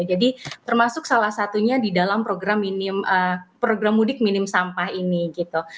jadi termasuk salah satunya di dalam program mudik minim sampah ini gitu